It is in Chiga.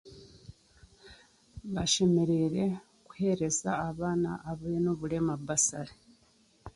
Bashemereire kuhereza abaana abeine oburema bursary